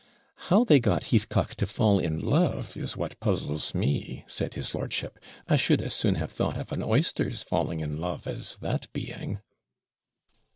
'How they got Heathcock to fall in love is what puzzles me,' said his lordship. 'I should as soon have thought of an oyster's falling in love as that being!'